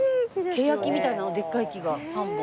けやきみたいなでっかい木が３本。